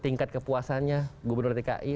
tingkat kepuasannya gubernur dki